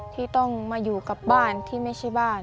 ที่ต้องมาอยู่กับบ้านที่ไม่ใช่บ้าน